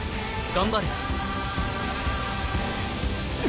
頑張れ。